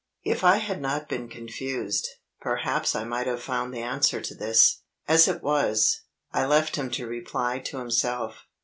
If I had not been confused, perhaps I might have found the answer to this. As it was, I left him to reply to himself.